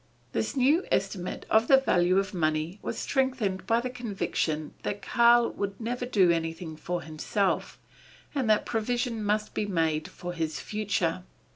This new estimate of the value of money was strengthened by the conviction that Karl would never do anything for himself, and that provision must be made for his future.